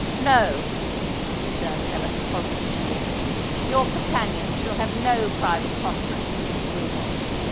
"No," returned Ellen, positively: "your companion shall have no private conference with Miss Wilmot.